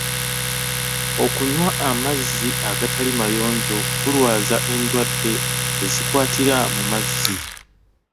Okunywa amazzi agatali mayonjo kulwaza endwadde ezikwatira mu mazzi.